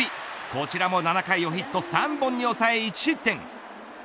こちらも７回をヒット３本に抑え１失点。